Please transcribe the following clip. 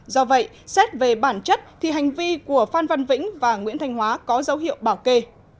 do vậy xét về bản chất thì hành vi của phan văn vĩnh và nguyễn thanh hóa có dấu hiệu bảo kê